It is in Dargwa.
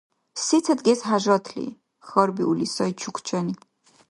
— Сецад гес хӀяжатли? — хьарбиули сай чукчани.